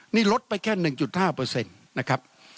นี่ลดไปแค่๑๕นะครับ